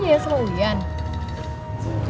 jadi rule dial fuck anus